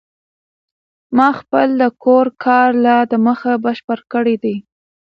ما خپل د کور کار لا د مخه بشپړ کړی دی.